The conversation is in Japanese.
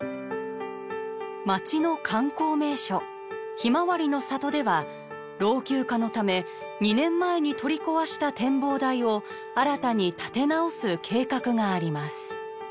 町の観光名所ひまわりの里では老朽化のため２年前に取り壊した展望台を新たに建て直す計画があります。